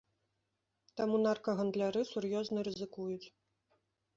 Таму наркагандляры сур'ёзна рызыкуюць.